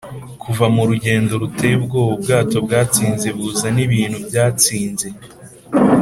kuva murugendo ruteye ubwoba ubwato bwatsinze buza nibintu byatsinze;